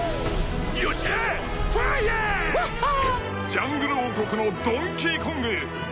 ［ジャングル王国のドンキーコング！］